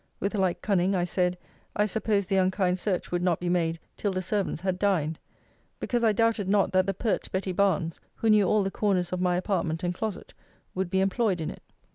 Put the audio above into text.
With like cunning I said, I supposed the unkind search would not be made till the servants had dined; because I doubted not that the pert Betty Barnes, who knew all the corners of my apartment and closet, would be employed in it.